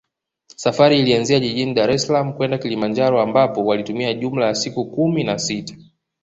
Safari ilianzia jijini Daressalaam kwenda Kilimanjaro ambapo walitumia jumla ya siku kumi na sita